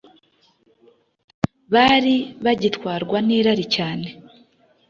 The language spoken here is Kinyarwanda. bari bagitwarwa n’irari cyane,